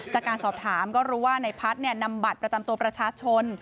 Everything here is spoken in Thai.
จากการสอบถามก็รู้ว่าในพัฒน์นำบัตรประจำตัวประชาชน